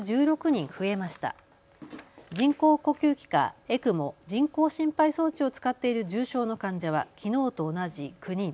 人工呼吸器かＥＣＭＯ・人工心肺装置を使っている重症の患者はきのうと同じ９人。